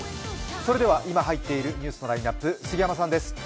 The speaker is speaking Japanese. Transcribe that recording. それでは今入っているニュースのラインナップ、杉山さんです。